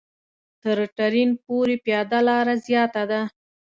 تر ټرېن پورې پیاده لاره زیاته ده.